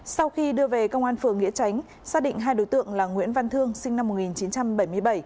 sau khi đưa về công an phường nghĩa tránh xác định hai đối tượng là nguyễn văn thương sinh năm một nghìn chín trăm bảy mươi bảy